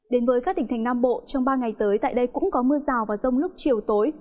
đến với các tỉnh thành nam bộ trong ba ngày tới tại đây cũng có mưa rào và rông lúc chiều tối